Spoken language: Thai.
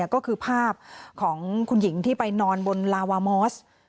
ก็คือภาพของคุณหญิงที่ไปนอนบนลาวามอส